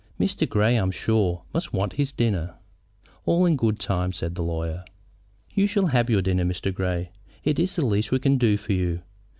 Mr. Grey, I'm sure, must want his dinner." "All in good time," said the lawyer. "You shall have your dinner, Mr. Grey. It is the least we can do for you."